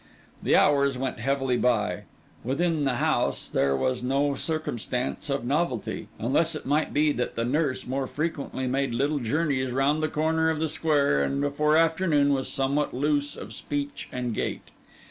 The hours went heavily by. Within the house there was no circumstance of novelty; unless it might be that the nurse more frequently made little journeys round the corner of the square, and before afternoon was somewhat loose of speech and gait.